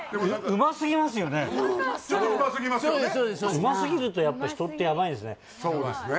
うますぎるとやっぱ人ってヤバいんですね